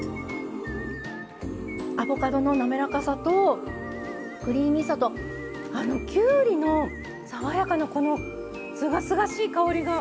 アボカドの滑らかさとクリーミーさとあのきゅうりの爽やかなこのすがすがしい香りが。